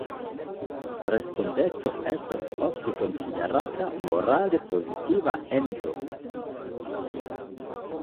Respondeco estas ofte konsiderata morale pozitiva ento.